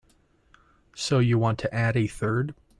So you want to add a third?